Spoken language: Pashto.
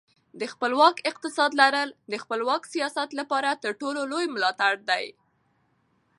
د خپلواک اقتصاد لرل د خپلواک سیاست لپاره تر ټولو لوی ملاتړ دی.